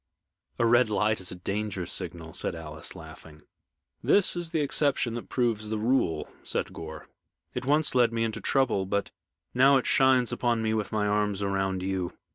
"A red light is a danger signal," said Alice, laughing. "This is the exception that proves the rule," said Gore. "It once led me into trouble, but now it shines upon me with my arms around you.